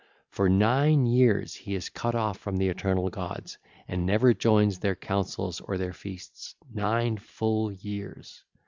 For nine years he is cut off from the eternal gods and never joins their councils of their feasts, nine full years.